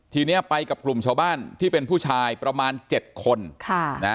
ทีนี้ไปกับกลุ่มชาวบ้านที่เป็นผู้ชายประมาณเจ็ดคนค่ะนะ